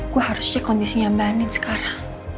gue harus cek kondisinya mbak nin sekarang